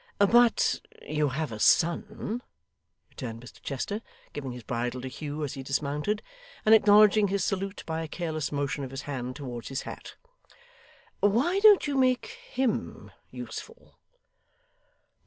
'But you have a son,' returned Mr Chester, giving his bridle to Hugh as he dismounted, and acknowledging his salute by a careless motion of his hand towards his hat. 'Why don't you make HIM useful?